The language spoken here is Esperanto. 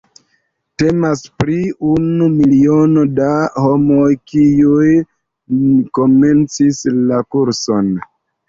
Temas pri unu miliono da homoj, kiuj komencis la kurson.